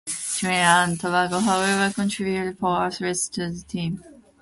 Trinidad and Tobago however contributed four athletes to the team.